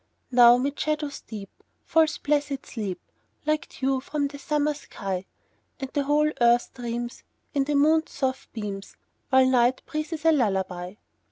Now 'mid shadows deep Falls blessed sleep, Like dew from the summer sky; And the whole earth dreams, In the moon's soft beams, While night breathes a lullaby.